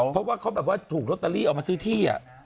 เพราะว่าเขาถูกล็อตเตอรี่มาซื้อที่